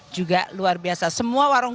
juga luar biasa semua warung